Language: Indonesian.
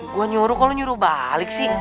gue nyuruh kalau nyuruh balik sih